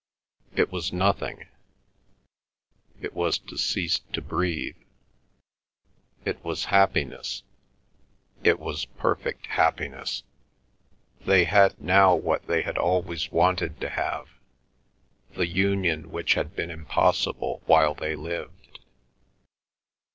It was nothing; it was to cease to breathe. It was happiness, it was perfect happiness. They had now what they had always wanted to have, the union which had been impossible while they lived.